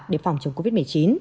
để phòng chống covid một mươi chín